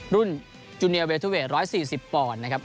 รุ่นจูเนียเวทุเวท๑๔๐ปอนด์นะครับ